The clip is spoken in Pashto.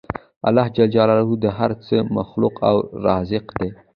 الله ج د هر څه خالق او رازق دی